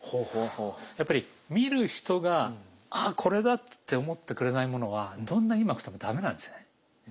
やっぱり見る人が「あっこれだ」って思ってくれないものはどんなにうまくても駄目なんですよね。